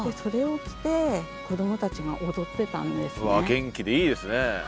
元気でいいですね。